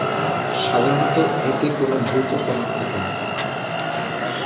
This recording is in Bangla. সাধারণত এতে কোনো ভৌত কণা থাকে না।